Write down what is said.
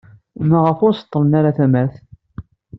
Maɣef ur seḍḍlen ara tamart?